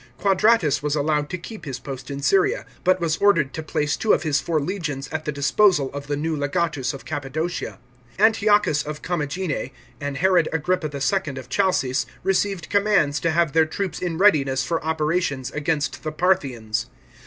Quadratus was allowed to keep his post in Syria, but was ordered to place two of his four legions at the disposal of the new legatus of Cappadocia. Antiochus ot Commagene and Herod Agrippa II. of Chalcis, (see below, p. 367) received commands to have their troops in readiness for operations against the Parthians.